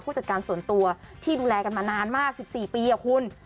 จัดการส่วนตัวที่ดูแลกันมานานมาก๑๔ปีคุณ